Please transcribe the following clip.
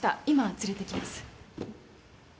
今連れてきます。